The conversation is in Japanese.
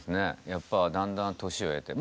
やっぱだんだん年を経て。